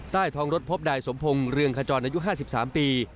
ใต้ท้องรถพบนายสมพงศ์เรืองขจรอายุ๕๓ปี